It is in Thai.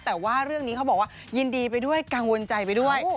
แต่ว่าเรื่องนี้เขาบอกว่ายินดีไปด้วยกังวลใจไปด้วย